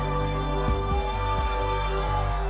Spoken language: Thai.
ขอบคุณครับ